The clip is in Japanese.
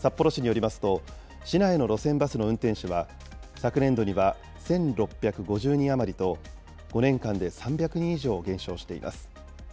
札幌市によりますと、市内の路線バスの運転手は、昨年度には１６５０人余りと、５年間で３００人以上減少しています。